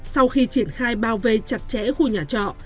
sau khi triển khai bao vây chặt chẽ khu nhà trọ